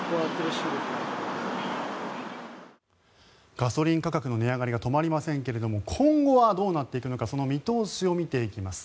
ガソリン価格の値上がりが止まりませんけども今後はどうなっていくのかその見通しを見ていきます。